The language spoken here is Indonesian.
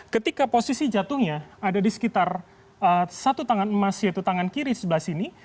ketika posisi jatuhnya ada di sekitar satu tangan emas yaitu tangan kiri sebelah sini